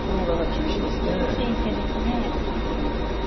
厳しい一手ですね。